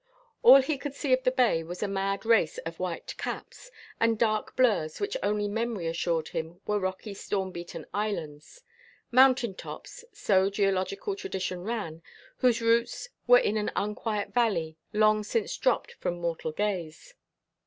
All he could see of the bay was a mad race of white caps, and dark blurs which only memory assured him were rocky storm beaten islands; mountain tops, so geological tradition ran, whose roots were in an unquiet valley long since dropped from mortal gaze.